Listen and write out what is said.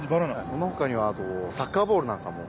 そのほかにはあとサッカーボールなんかも。